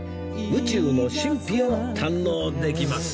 宇宙の神秘を堪能できます